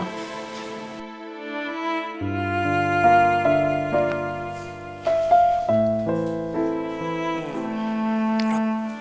bukannya rom udah gini